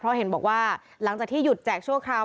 เพราะเห็นบอกว่าหลังจากที่หยุดแจกชั่วคราว